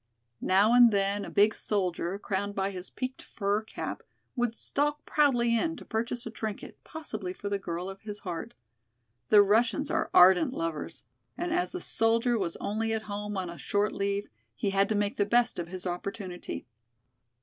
Now and then a big soldier, crowned by his peaked fur cap, would stalk proudly in to purchase a trinket, possibly for the girl of his heart. The Russians are ardent lovers, and as the soldier was only at home on a short leave, he had to make the best of his opportunity.